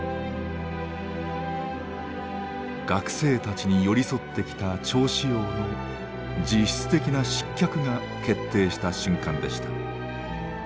学生たちに寄り添ってきた趙紫陽の実質的な失脚が決定した瞬間でした。